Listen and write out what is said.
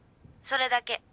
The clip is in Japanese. それだけ。